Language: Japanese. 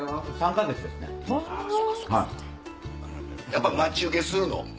やっぱ待ち受けにするの？